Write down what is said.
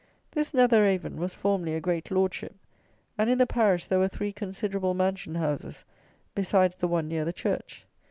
This Netheravon was formerly a great lordship, and in the parish there were three considerable mansion houses, besides the one near the church.